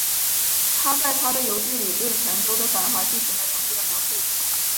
他在他的游记里对泉州的繁华进行了详细的描述。